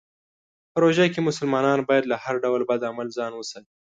په روژه کې مسلمانان باید له هر ډول بد عمل ځان وساتي.